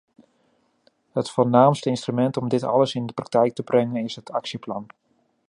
Het voornaamste instrument om dit alles in praktijk te brengen, is het actieplan.